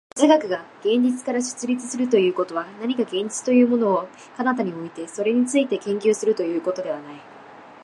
哲学が現実から出立するということは、何か現実というものを彼方に置いて、それについて研究するということではない。